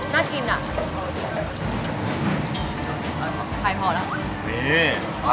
ขอบคุณครับ